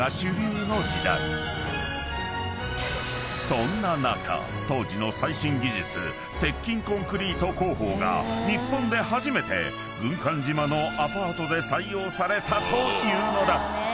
［そんな中当時の最新技術鉄筋コンクリート工法が日本で初めて軍艦島のアパートで採用されたというのだ］